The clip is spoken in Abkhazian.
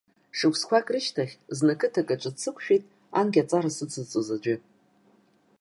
Шықәсқәак рышьҭахь зны қыҭак аҿы дсықәшәеит анкьа аҵара сыцызҵоз аӡәы.